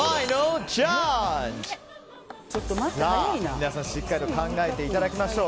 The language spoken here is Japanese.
皆さん、しっかりと考えていただきましょう。